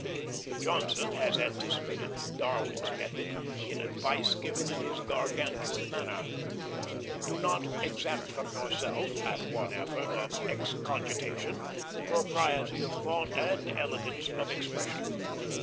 Johnson has anticipated Darwin's method in advice given in his Gargantuan manner: "Do not exact from yourself, at one effort of excogitation, propriety of thought and elegance of expression.